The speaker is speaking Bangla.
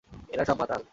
এরা সব মাতাল।